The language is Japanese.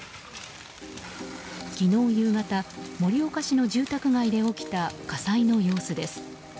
昨日夕方、盛岡市の住宅街で起きた火災の様子です。